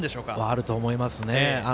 あると思いますね。